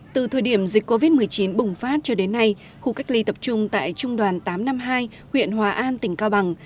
từ thời điểm dịch covid một mươi chín bùng phát cho đến nay khu cách ly tập trung tại trung đoàn tám trăm năm mươi hai huyện hòa an tỉnh cao bằng